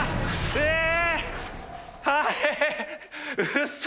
えっ！？